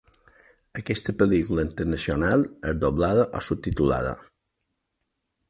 Aquesta pel·lícula internacional és doblada o subtitulada?